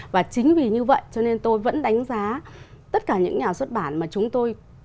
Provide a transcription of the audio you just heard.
và chính vì như vậy cho nên tôi vẫn đánh giá tất cả những nhà xuất bản mà chúng tôi